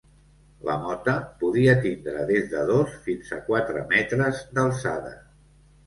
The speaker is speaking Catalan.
La mota, podia tindre des de dos fins a quatre metres d'alçada.